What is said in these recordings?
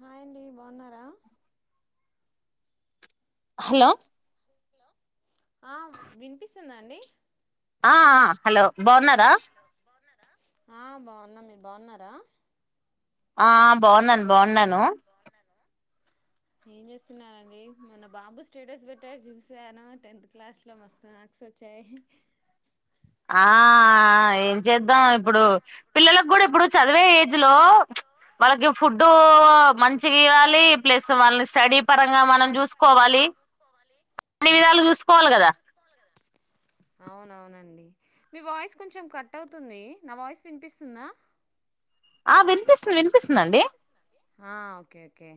hi అండి బాగున్నారా hello ఆ వినిపిస్తుందండి ఆ హలో బాగున్నారా ఆ బాగున్నా మీరు బాగున్నారా ఆ బాగున్నాను బాగున్నాను ఏం చేస్తున్నారండి మొన్న బాబు స్టేటస్ పెట్టటి చూశాను టెన్త్ క్లాస్లో మస్తు మార్క్స్ వచ్చాయి ఆ ఏం చేద్దాం ఇప్పుడు పిల్లలలకు కూడా ఇప్పుడు చదివే ఏజ్లో వాళ్ళకి ఫుడ్ మంచిగా ఇవ్వాలి ప్లస్ వాళ్ళని స్టడీ పరంగా మనం చూసుకోవాలి అన్ని విధాలు చూసుకోవాలి కదా అవునవునండి మీ వాయిస్ కొంచెం కట్ అవుతుంది నా వాయిస్ వినిపిస్తుందా ఆ వినిపిస్తుంది వినిపిస్తుందిండి ఆ ఓకే ఓకే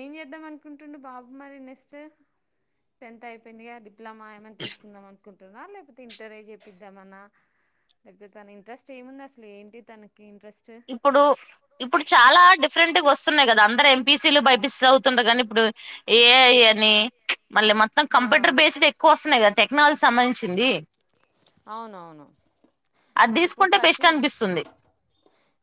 ఏం చేద్దాం అనుకుంటుండు బాబు మరి నెక్స్ట్ టెన్త్ అయిపోయిందిగా విప్లమా ఏమని తీసుందాం కుంటున్నా లేకపోతే ఇంటర్ చెపిద్దామన్నా లేకపోతే తన ఇంట్రెస్ట్ ఏముంది అసలు ఏంటి తన ఇప్పుడు ఇప్పుడు చాలా డిఫరెంట్గా వస్తున్నాయి కదా అందరు ఎం పిసీలు బైపిసి సవుతుండ కానీ ఇప్పుడు ఏ అన్ని మళ్ళ మొత్తం ఆ కంప్యూటర్ బేస్డ్ ఎక్కువ వస్తుయి కదా టే మల్ సంబంధించింది అవునవును అది ఇప్పుడు తీసుకుంటే ఖచ్చి బెస్ట్ అనిపిస్తుంది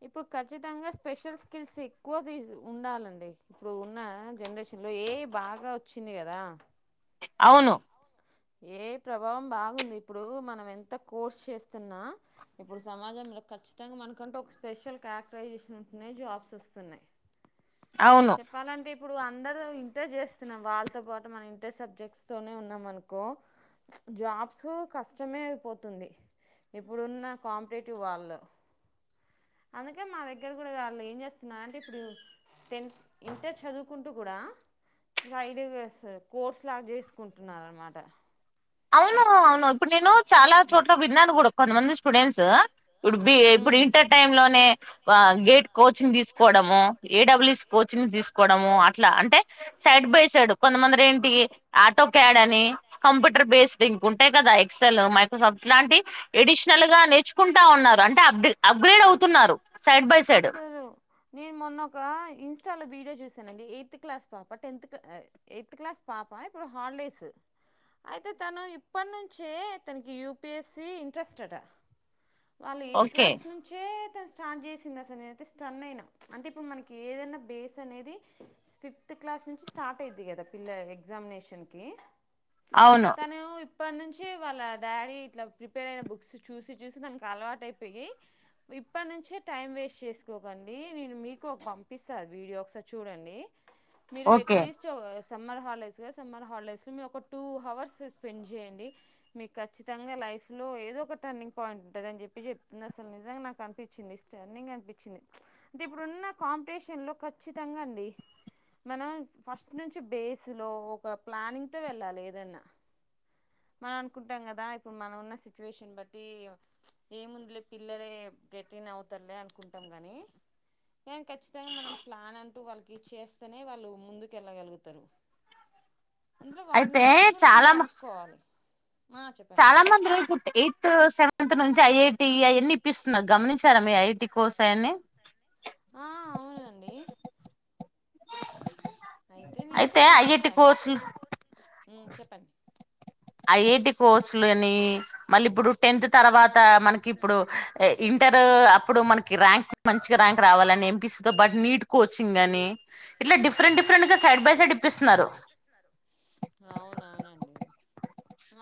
ఇప్పుడు ఖచ్చితంగా స్పెషల్ స్కిల్స్ ఎక్కువ తీ ఉండాలండి ఇప్పుడు ఉన్న జనరేషన్లో ఏ ఇ బాగా వచ్చింది కదా అవును ఏ ప్రభావం బాగుంది ఇప్పుడు మనం ఎంత కోర్స్ చేస్తున్నా ఇప్పుడు సమాజంలో ఖచ్చితంగా మనకంటూ ఒక స్పెషల్ క్యారెక్టరైజేషన్ ఉంటున్నాయి జాబ్స్ వస్తున్నాయి అవును చెప్పలంటే ఇప్పుడు అందరు ఇంతే చేస్తున్నాం వాళ్ళతో పాటు మన ఇంతే సబ్జెక్ట్స్ తోనే ఉన్నాం అనుకు కు జాబ్స్ కష్టమే అయిపోతుంది ఇప్పుడున్న కాంపిటేటివ్ వాళ్ళు అందుకే మా దగ్గర కూడా వాళ్ళు ఏం చేస్తున్నారు అంటే ఇప్పుడు టెన్త్ ఇంటర్ చదువుకుంటూ కూడా సైడ్ కోర్స్ లాగా చేసుకుంటున్న అన్నమాట ట అవును అవును ఇప్పుడు నేను చాలా చోట్ల విన్నాను కూడా కొంతమంది స్టూడెంట్స్ ఇప్పుడు బి ఇప్పుడు ఇంటర్ టైమ్ లోనే గేట్ కోచింగ్ తీసుకోవడము ఏడబ్ల్యూ కోచింగ్స్ తీసుకోవడము అట్లా అంటే సైడ్ బై సైడ్ కొంతమందిర ఏంటి ఆటో క్యాడ్ అని కం టర్ బేస్డ్ ఇం ఉంటయి కదా ఎక్సెల్ మైక్రోసాఫ్ట్ లాంటి ఎడిషల్గా నేర్చుకుంట కుంటా ఉన్నారు అంటే అప్ అప్గ్రేడ్ అవుతున్నారు సైడ్ బై సైడ్ అసలు విడియో చూశానండి ఎయిత్ క్లాస్ పాప టెన్త్ ఎయిత్ క్లాస్ పాప ఇప్పుడు హాలిడేస్ అయితే తను ఇప్పటినుంచే తనకి యూ పీ ఎస్సి ఇంట్రెస్టట వాళ్ళు ఎయిత్ ఓకే క్లాస్ నుంచే స్టార్ట్ చేసిందిసలు నేైతే స్టన్ అయినా అంటే ఇప్పుడు మనకి ఏదైనా బేస్ అనేది ఫిఫ్త్ క్లాస్ నుంచి స్టార్ట్ అయిద్ది కదా పిల్ల ఎగ్జామినేషన్కి అవును తనే ఇప్పటి నుంచి వాళ్ళ డాడీ ఇట్లా ప్రిపేర్ అయిన బుక్స్ చూసి చూసి దానికి అలవాట అయిపోయి ఇప్పటి నుంచే టైం వేస్ట్ చేసుకోకండి నేను మీకు ఒక పంపిస్తాను వీడియో ఒకసారి చూడండి మీరు ఓకే ఎట్లీస్ట్ సమ్మర్ హాలిడేస్గా సమ్మర్ హాలిడేస్లో మీరు ఒక టూ హవర్స్ స్పెండ్ చేయండి మీకు ఖచ్చితంగా లైఫ్లో ఏదో ఒక టర్నింగ్ పాయింట్ ఉంటుంద అని చెప్పి చెప్తుంది అసలు నిజంగా నాకు అనిపించింది స్టన్నింగ్ అనిపించింది అంటే ఇప్పుడున్న కాంపిటీషన్లో ఖచ్చితంగా అండి మనం ఫస్ట్ నుంచి బేస్లో ఒక ప్లానింగ్తో వెళ్ళాలి ఏదన్నా మనం అనుకుంటాం కదా ఇప్పుడు మనం ఉన్న సిచ్యువేషన్ బట్టి ఏముందిలే పిల్లలే గట్టిగనే అవుతారులే అనుకుంటాం గానీ కానీ ఖచ్చితంగా మనం ప్లాన్ అంటూ వాళ్ళకి చేస్తేనే వాళ్ళు ముందుకు వెళ్ళగలుగుతారు అందులో వాళ్ళ అయితే ఇంట్రెస్ట్ కూడా మనం చాలా కనుక్కోవాలి ఆ చెప్పండి చాలా మంది రోయి ఎయిత్ సెవె అంత నుంచి ఐ ఐ టీ అవీ ఇప్పిస్తున్నారు గమనించారా మీ ఐ ఐ టి కోర్స్ అయన్ని ఆ అవునండి అయితే నేను కూడా అడిగా ఐఐటి కోర్సులు చెప్పండి ఐ ఐ టి కోర్సులు అని మళ్ళీ ఇప్పుడు టెన్త్ తర్వాత మనకి ఇప్పుడు ఇంటర్ అప్పుడు మనకి ర్యాంక్ మంచిగా ర్యాంక్ రావాలని ఎం పీ సి తో బట్ నీట్ కోచింగ్ అని ఇట్లా డిఫరెంట్ డిఫరెంట్ గా సైడ్ బై సైడ్ ఇప్పిస్తున్నారు అవునవునండి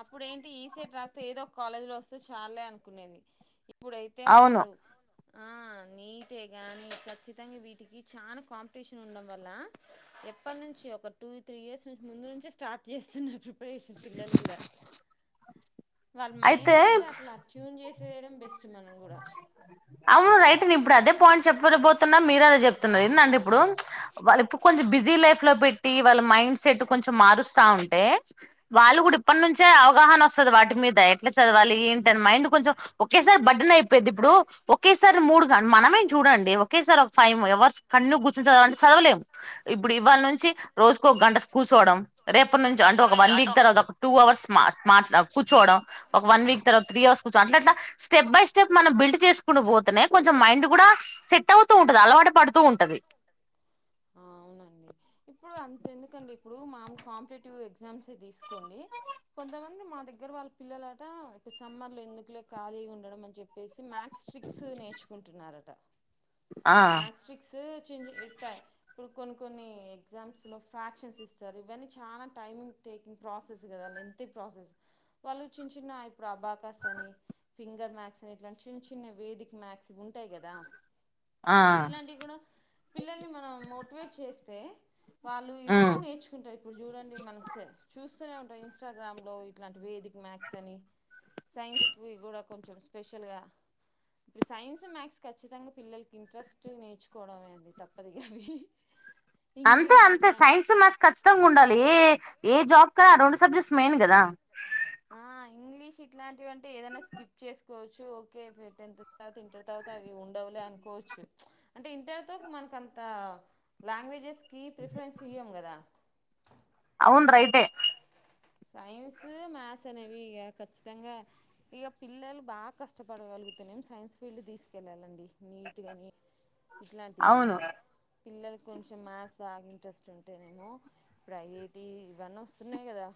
అప్పుడేంటి ఈ సెట్ రాస్తే ఏదో ఒక కాలేజీలో వస్తే చాలే అనుకునేది ఇప్పుడైతే అవును అసలు ఆ నీటే కాగానీ ఖచ్చితంగా వీటికి చానా కాంపిటీషన్ ఉండడం వల్ల ఎప్పటి నుంచి ఒక టూ త్రీ ఇయర్స్ నున్ ముందు నుంచే స్టార్ట్ చేస్తున్నారు అప్పుడు వేసిన పిల్లలు కూడా వాళ్ళ మైండ్ ఇంకా అట్లా ట్యూన్ చేసి చేయడం బెస్ట్ మనం కూడా అమ్మో రైట్ నేను ఇప్పుడు అదే పాయింట్ చెప్ప పోతున్నా మీరే అదే చెప్తున్నారు ఏంటంటడి ఇప్పుడు వాళ్ళు ఇప్పుడు కొంచెం బిజీ లైఫ్ లో పెట్టి వాళ్ళ మైండ్ సెట్ కొంచెం మారుస్తా ఉంటే వాళ్ళు కూడా ఇప్పటి నుంచే అవగాహన వస్తది వాటి మీదే ఎట్లా చదవాలి ఏంటిని మైండ్ కొంచెం ఒకేసారి బడ్డన అయిపోయిది ఇప్పుడు ఒక ఒకేసారి మూడుంట మనమేం చూడండి ఒకేసారి ఒక ఫైవ్ అవర్స్ కన్ను కూర్చని చదవాలంట చదవలేము ఇప్పుడు ఇవాళ నుంచి రోజుకు ఒక గంట కూర్చోవడం రేపటి నుంచి అంటే ఒక వన్ వీక్ తర్వాత ఒక టూ అవర్స్ మా మాట్లా కూర్చోడం ఒక వన్ వీక్ తర్వాత త్రీ అవర్స్ కూర్చోడం అట్లట్ల స్టెప్ బై స్టెప్ మనం బిల్డ్ చేసుకుని పోతేనే కొంచెం మైండ్ కూడా సెట్ అవుతూ ఉంటది అలవాటు పడుతూ ఉంటది ఆ అవునండి ఇప్పుడు అంతెందుకండి ఇప్పుడు మా మా కాంపిటేటివ్ ఎగ్జామ్స్ తీసుకోండి కొంతమంది మా దగ్గర వాళ్ళ పిల్లలట ఇప్పుడు సమ్మర్ లో ఎందుకు లే ఖాళీగా ఉండడం అని చెప్పేసి మ్యాక్స్ స్ట్రిక్స్ నేర్చుకుంటున్నారట ఆ మ్యాక్ట్రిక్స్ చిన్నా చిన్ చిట్ట ఇప్పుడు కొన్ని కొన్ని ఎగ్జామ్స్లో ఫ్రాక్షన్స్ ఇస్తారు ఇవన్నీ చాలా టైమ్ టేకింగ్ ప్రాసెస్ కదా లెంగ్త్యి ప్రాసెస్ కదా వాళ్ళు ప్రాసెస్ వాళ్ళు చిన్న చిన్న ఇప్పుడు అబాకాస్ అని ఫింగర్ మ్యాక్స్ అని ఇట్లాంటి చిన్న చిన్న వేదిక మ్యాక్స్ ఇవి ఉంటాయి కదా ఆ ఇట్లాంటివి కూడా పిల్లల్ని మనం మొ మోటివేట్ చేస్తే వాళ్ళు ఇవి ఉమ్ కూడా నేర్చుకుంటారు ఇప్పుడు చూడండి మనసే చూస్ చూస్తూనే ఉంటాయి ఇన్స్టాగ్రామ్లో ఇట్లాంటి వేదిక్ మ్యాథ్స్ అని సైన్స్కి కూడా కొంచెం స్పెషల్గా ఇప్పుడు సైన్స్ మ్యాథ్స్ ఖచ్చితంగా పిల్లలకి ఇంట్రెస్ట్గా నేర్చుకోవడమే అండి తప్పదుగా అవి అంతే ఇంగ్లీష్ అంతే ఇట్లా సైన్స్ మ్యాథ్స్ ఖచ్చితంగా ఉండాలి ఏ జాబ్ కైన రెండు సబ్జెక్ట్స్ మెన్ కదా ఆ ఇంగ్లీష్ ఇట్లాంటివి అంటే ఏదైనా స్కిప్ చేసుకోవచ్చు ఓకే టెన్త్ తర్వాత ఇంటర్ తర్వాత అవి ఉండవులే అనుకోవచ్చు అంటే ఇంటర్తో మనకంత లాంగ్వేజెస్ కి ప్రిఫరెన్స్ ఇయ్యము కదా అవును రైటే సైన్స్ మ్యాథ్స్ అనేవి ఇక ఖచ్చితంగా ఇక పిల్లలు బాగా కష్టపడగలుగుతేనేం సైన్స్ ఫీల్డ్ తీసుకెళ్ళాలండి నీట్గాని ఇట్లాంటి అవును పిల్లలకి కొంచెం మ్యాథ్స్ బాగా ఇంట్రెస్ట్ ఉంటేనేేమో ఇప్పుడు ఐ ఐ టి ఇవన్నీ వస్తున్నాయి కదా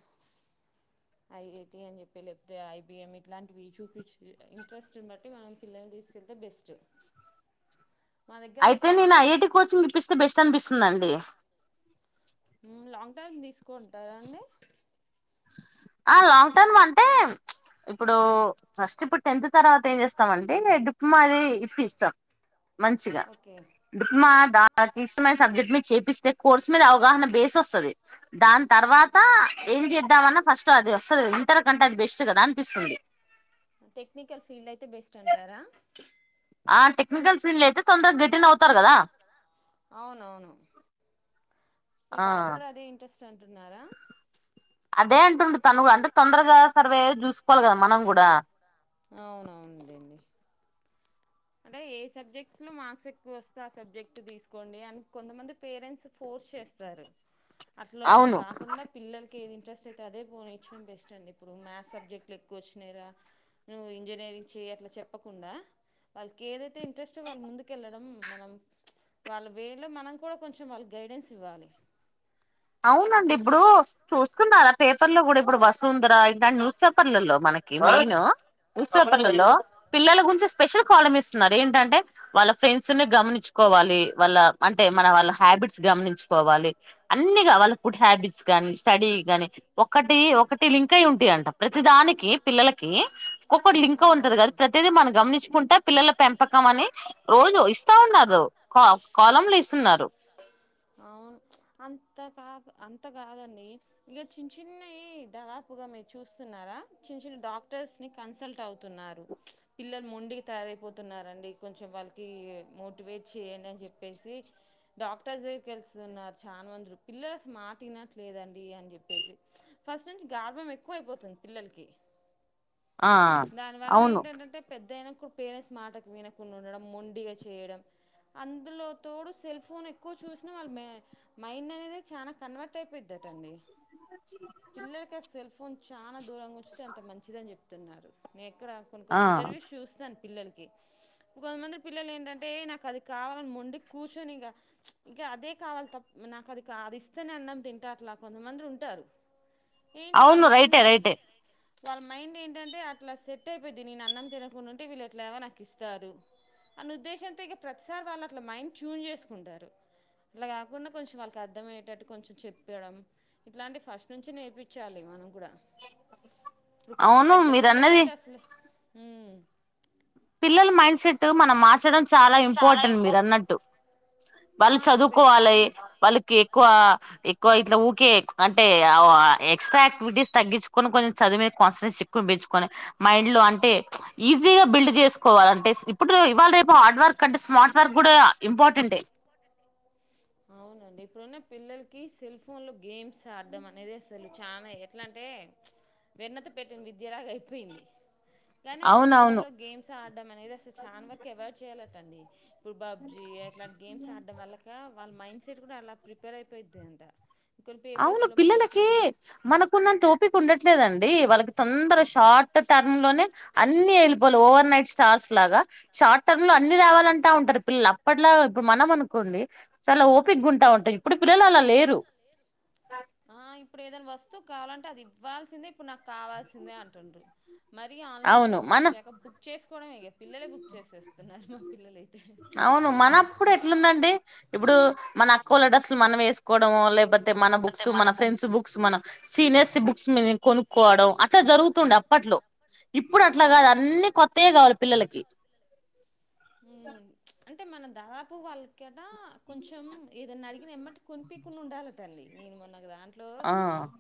ఐ ఐ టి అని చెప్పి లేకపోతే ఐ బి ఎమ్ ఇట్లాంటివి చూపిచ్చే ఇంట్రెస్ట్ని బట్టి మనం పిల్లల్ని తీసుకెళ్తే బెస్ట్ మా దగ్గర ఒక అయితే నేను పాప ఐ ఐ టి కోచింగ్ ఇప్పిస్తే బెస్ట్ అనిపిస్తుంది అండి అంతేగా లాంగ్ టర్మ్ తీసుకు తీసుకొంటారాండి ఆ లాంగ్ టర్మ్ అంటే ఇప్పుడు ఫస్ట్ ఇప్పుడు టెన్త్ తర్వాత ఏం చేస్తాం అంటే నేను డిప్లమా అది ఇప్పి ఇస్తాం మంచిగా ఓకే డిప్మా దా ఇష్టంమైన సబ్జెక్ట్ మీరు చేపిస్త అతే కోర్స్ మీద అవగాహన బేస్ వస్తది దాని తర్వాత ఓకే ఏం చేద్దామన్న ఫస్ట్ అది వస్తుంది ఇంటర్ కంటే అది బెస్ట్ కదా అనిపిస్తుంది టెక్నికల్ ఫీల్డ్ అయితే బెస్ట్ అంటారా ఆ టెక్నికల్ ఫీల్డ్ అయితే తొందరగా గిటిన్ అవుతారు కదా అవునవును మీ ఆ బాబు కూడా అదే ఏంటి స్టంటున్నారా అదే అంటుంంది తను కూడా అంటే తొందరగా సర్వే చూసుకోవాలి కదా మనం కూడా అవునవునందండి అంటే ఏ సబ్జెక్ట్స్లో మార్క్స్ ఎక్కువ వస్తే ఆ సబ్జెక్ట్ తీసుకోండి అని కొంతమంది పేరెంట్స్ ఫోర్స్ చేస్తారు అట్లా అవును కాకుండా పిల్ల ఏది ఇంట్రెస్ట్ అయితే అదే పోనిర్డం బెస్ అండి ఇప్పుడు మ్యాథ్ సబ్జెక్ట్లు ఎక్కువచ్చినాయిరా నువ్వు ఇంజనీరింగ్ చే అట్లా చెప్పకుండా వాళ్ళకి ఏదైతే ఇంట్రెస్టో వాళ్ళ ముందుకు వెళ్ళడం మనం చ్ వాళ్ళ వేలో మనం కూడా కొంచెం వాళ్ళకి గైడెన్స్ ఇవ్వాలి అవునండి ఇప్పుడు చూసుకున్నార పేపర్ లో కూడా ఇప్పుడు వసుంధర ఇట్లాంటి న్యూస్ పేపర్లలో మనకి మెయిన్ ఆ న్యూస్పేపరలల్లో పిల్లల గురించి స్పెషల్ కాలమ్ ఇస్తున్నారు ఏంటంటే వాళ్ళ ఫ్రెండ్స్ గమనించుకోవాలి వాళ్ళ అంటే మన వాళ్ళ హ్యాబిట్స్ గమనించుకోవాలి అన్నిగా వాళ్ళ ఫుడ్ హ్యాబిట్స్ కానీ స్టడీ కానీ ఒకటి ఒకటి లింక్ అయి ఉంటాయి అంట ప్రతిదానికి పిల్లలకి ఒక్క లింక్ ఆ ఉంటది కద ఓకే ప్రతిదీ మనం గమనించకుంట పిల్లల పెంపకం అని రోజు ఇస్తా ఉన్నారు కోాలంలు ఇస్తున్నారు అవును అంత కాదు అంత కాదండి ఇక చిన్న చిన్నవి దాదాపుగా మీరు చూస్తున్నారా చిన్న చిన్న డాక్టర్స్ని కన్సల్ట్ అవుతున్నారు పిల్లలు మొండికి తయారైపోతున్నారంండి కొంచెం వాళ్ళకి మోటివేట్ చేయండి అని చెప్పేసి డాక్టర్స్ దగ్గరికి వెళ్స్తున్నారు చాలామందిలు పిల్లలు అసలు మాట విన్నట్లేదు అని చెప్పేసి ఫస్ట్ నుంచి గార్భం ఎక్కువైపోతుంది పిల్లలకి ఆ దాని వల్ల అవును ఏంటంటంటే పెద్దనా కు పేరెంట్స్ మాటకు వినకుండా ఉండడం మొండిగా చేయడం అందులో తోడు సెల్ఫ్ ఫోన్ ఎక్కువ చూసినా వాళ్ళ మ మైండ్ అనేది చాలా కన్వర్ట్ అయిపోద్దటండి పిల్లలక సెల్ ఫోన్ చానా దూరంగా వచ్చితే అంత మంచిది అని చెప్పి తున్నారు నేక్ ఇక్కడ కొని ఆ కొన్ని ఇంటర్వ్యూ చూస్తాను పిల్లలకి కొంతమంది పిల్లలు ఏంటంటే నాకు అది కావాలని మొండి కూర్చొని ఇక ఇంకా అదే కావాలి తప్ప నాకు అది కా అది ఇస్తేనే అన్నం తింటారు అట్లా కొంతమంది ఉంటారు ఏంటి వాళ్ళ అవును రైటే మైండ్ రైటే వాళ్ళ మైండ్ ఏంటంటే అట్లా సెట్ అయిపోయిద్ది నేను అన్నం తినకుం ఉంటే వీళు ఎట్లా ఎో నాకు ఇస్తారు అన్న ఉద్దేశంతో ఇక ప్రతిసారి వాళ్ళు అలా మండ్ చూజ్ చేసు కుంటారు అట్లా కాకుండా కొంచెం వాళ్ళకి అర్థమయ్యేటట్టు కొంచెం చెప్పడం ఇట్లాంటివి ఫస్ట్ నుంచి నేర్పించాలి మనం కూడా ఇప్పుడు కొంచెం అవును పెద్ద మీరు పిల్ల అన్నది నైతే అసలు పిల్లల మైండ్ సెట్ మనం మార్చడం చాలా ఇంపార్టెంట్ మీరు అన్నట్టు ఆ వాళ్ళు ఇప్ చదువుకోవాలి వాళ్ళు ఎక్కువ ఎక్కువ ఇట్లా ఊకే అంటే ఎక్స్ట్రా ఆక్టివిటీస్ తగ్గించుకని కొంచెం చదివే మీద కాన్స్రేషన్ ఎక్కువ పెంచుకొని మైండ్ లో అంటే ఈజీగా బిల్డ్ చేసుకోవాలంటే ఇప్పుడు ఇవాళ రేపు హార్డ్ వర్క్ అంటే స్మార్ట్ వర్క్ కూడా ఇంపార్టెంటై అవునండి ఇప్పుడున్న పిల్లలకి సెల్ ఫోన్లో గేమ్స్ ఆడడం అనేది అసలు చాలా ఎట్లా అంటే వెన్నత పెట్టిన విద్యలాగా అయిపోయింది కాగానీ అసలు అవునవును ఫోన్ లో గేమ్స్ ఆడడం అనేది అసలు చాలాన్ వర్క్ ఎవైడ్ చేయాల కానీ ఇప్పుడు పబ్జీ అట్లాంటి గేమ్స్ ఆడడం వల్లక వాళ్ళ మైండ్ సెట్ కూడా అలా ప్రిపేర్ అయిపోయిద్ది అంట కొన్ని అవును పేపర్స్లో మీరు పిల్లలకి చెప్పినట్టు మనకున్నంత ఓపిక ఉండట్లేదండి డి వాళ్ళకి తొందర షార్ట్ టర్మ్ లోనే అన్ని వెళ్ళిపోవాలి ఓవర్ నైట్ స్టార్స్ లాగా షార్ట్ టర్మ్ లో అన్ని రావాలంటా ఉంటారు పిల్లలు అప్పట్లా ఇప్పుడు మనం అనుకోండి చాలా ఓపిక్ ఉంటా ఉంటారు ఇప్పుడు పిల్లలు అలా లేరు ఆ ఇప్పుడు ఏదైనా వస్తు కావాలంటే అది ఇవ్వాల్సిందే ఇప్పుడు నాకు కావాల్సిందే అంటుండ్ర మరి ఆన్లైన్ అవును షాపింగ్ మన వచ్చాక బుక్ చేసు [unintelligible] ఇక పిల్లలే బుక్ చేసేస్తున్నారు మా పిల్లలైతే అవును మనప్పుడు ఎట్లుందండి ఇప్పుడు మన అక్కు వాళ్ళ డ్రస్సులు మనం వేసుకోవడము లేకపోతే మన బుక్స్ మన ఫ్రెండ్స్ బుక్స్ మన సీనియర్స్ బుక్స్ కొనుక్కోవడం అట్లా జరుగుతుండ అప్పట్లో ఇప్పుడు అవును అట్లాగాదు అన్నీ కొత్తయ కావాలి పిల్లలకి ఉమ్ అంటే మన దాదాపు వాళ్ళకి ఇక్కడ కొంచెం ఏదనా అడిగిన ఎమ్మటి కొనిపకుని ఉండాలటంలి నీను మనగ దాన్ ఆ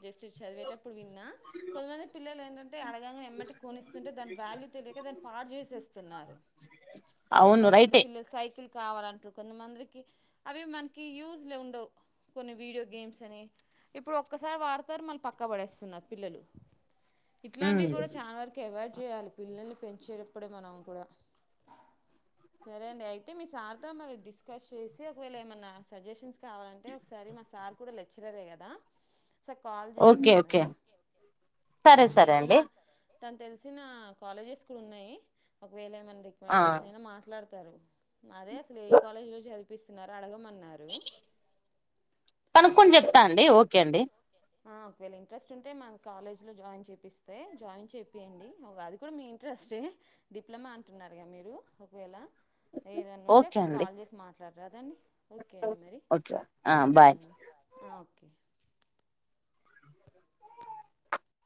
జస్ట్ చదివేటప్పు ఇప్పుడు విన్నా కొదిమంది పిల్లలు ఏంటంట అంటే అడగనే ఏమ్మంటే కొనిస్తుంటే దాని వాల్యూ తెలియక దాన్ని పాటు చేసేస్తున్నారు అవును ఇంకోతమంది రైటే పిల్లలు స పలు కావాలంటారు కొంతమందికి అవి మనకి యూజ్లో ఉండవు కొన్ని వీడియో గేమ్స్ అని ఇప్పుడు ఒక్కసారి వాడతారు మళ్ళీ పక్కబడేస్తున్నారు పిల్లలు మ్మ్ ఇట్లాంటివి కూడా చాలా వరకు అవాయిడ్ చేయాలి పిల్లల్ని పెంచేటప్పుడే మనం కూడా సరే అండి అయితే మీ సార్తో మరి డిస్కస్ చేసి ఒకవేళ ఏమైన్నా సజెషన్స్ కావాలంటే ఒకసారి మా సార్ కూడా లెచ్చరలేే కదా స కాల్ ఓకే చేయండి ఓకే మరి సరే తన సరే తెలిసిన అండి తను తెలిసిన కాలేజెస్ కూడా ఉన్నాయి ఒకవేళ ఏమైనా ఆ రికామెండేషన్ అయినా మాట్లా అదే అసలు ఏ కాలేజ్ లో చదిపిస్తున్నారు అడగమ కనుక్కకొని చెప్తా అండి ఓకే అండి ఆ ఒకవేళ ఇంట్రెస్ట్ ఉంటే మాకు కాలేజ్ లో జాయిన్ చేపిస్తే జాయిన్ చెపియండి అది కూడా మీ ఇంట్రెస్ట్ డిప్లొమా అంటున్నారుగా మీరు ఒకవేళ ఏదనా ఉంటే ఓకే ఒకసారి అండి కాల్ చేసి మాట్లాడరాదండి ఓకే అండి మరి ఓకే ఆ బాయ్ ఉంటేనండి ఓకే